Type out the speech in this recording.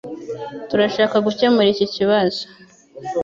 Turashaka gukemura iki kibazo